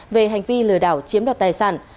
về hành vi lừa đảo chiếm đoạt tài sản